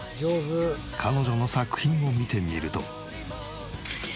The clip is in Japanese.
彼女の作品を見てみると。